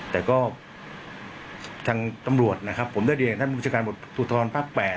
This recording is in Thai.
แต่ก็ทางตำรวจนะครับผมได้เรียนท่านบุรุษการบททธนภาคแปด